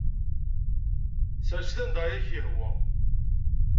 Ssers-it anda ay ak-yehwa.